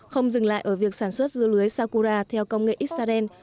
không dừng lại ở việc sản xuất dưa lưới sakura theo công nghệ israel